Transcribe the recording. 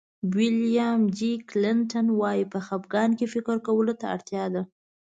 ویلیام جي کلنټن وایي په خفګان کې فکر کولو ته اړتیا ده.